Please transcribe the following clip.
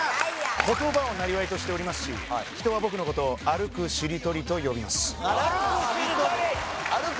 言葉を生業としておりますし人は僕のことを歩くしりとりと呼びます歩く